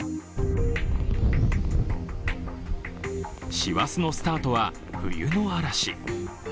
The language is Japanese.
師走のスタートは冬の嵐。